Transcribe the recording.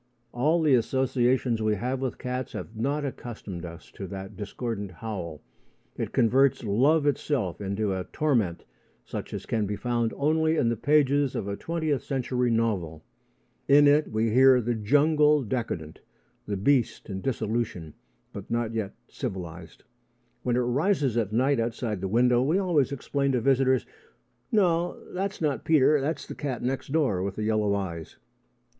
All the associations we have with cats have not accustomed us to that discordant howl. It converts love itself into a torment such as can be found only in the pages of a twentieth century novel. In it we hear the jungle decadent the beast in dissolution, but not yet civilised. When it rises at night outside the window, we always explain to visitors: "No; that's not Peter. That's the cat next door with the yellow eyes."